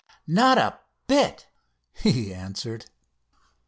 "Not a bit," he answered.